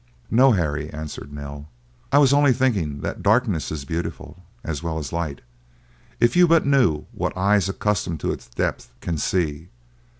"No, Harry," answered Nell; "I was only thinking that darkness is beautiful as well as light. If you but knew what eyes accustomed to its depth can see!